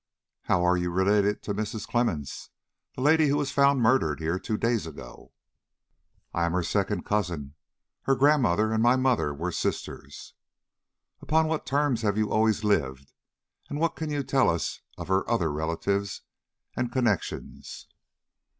"How are you related to Mrs. Clemmens, the lady who was found murdered here two days ago?" "I am her second cousin; her grandmother and my mother were sisters." "Upon what terms have you always lived, and what can you tell us of her other relatives and connections?"